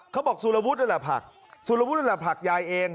สุรวุฒินั่นแหละผักสุรวุฒินั่นแหละผักยายเอง